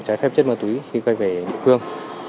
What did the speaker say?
chất ma túy khi quay về địa phương